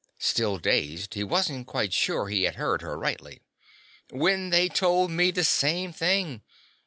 Still dazed, he wasn't quite sure he had heard her rightly. "When they told me the same thing.